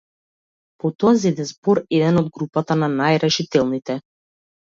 Потоа зеде збор еден од групата на најрешителните.